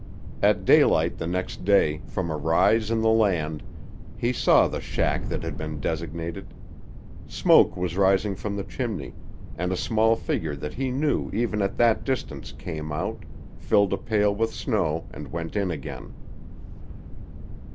At daylight the next day, from a rise in the land, he saw the shack that had been designated. Smoke was rising from the chimney, and a small figure that he knew even at that distance came out, filled a pail with snow and went in again.